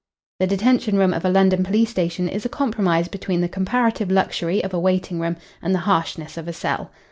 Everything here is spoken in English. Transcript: The detention room of a London police station is a compromise between the comparative luxury of a waiting room and the harshness of a cell.